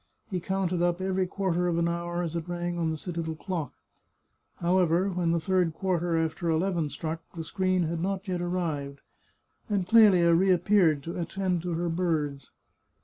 He counted up every quarter of an hour as it rang on the citadel clock. However, when the third quarter after eleven struck, the screen had not yet arrived, and Clelia reappeared to attend to her birds.